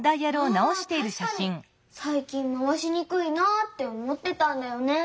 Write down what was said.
あたしかにさいきんまわしにくいなっておもってたんだよね。